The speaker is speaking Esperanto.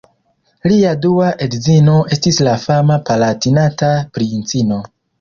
Lia dua edzino estis la fama Palatinata princino.